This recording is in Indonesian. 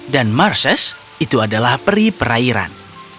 dan marshes itu adalah perih perayaan